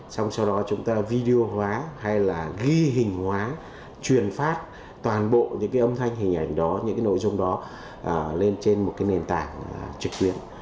xong sau đó chúng ta video hóa hay là ghi hình hóa truyền phát toàn bộ những cái âm thanh hình ảnh đó những cái nội dung đó lên trên một cái nền tảng trực tuyến